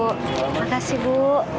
terima kasih bu